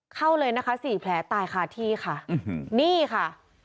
เข้าเลยนะคะศรีแผลตายคราธิค่ะนี่ค่ะ